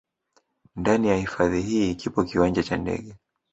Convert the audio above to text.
Ndani ya hifadhi hii kipo kiwanja cha ndege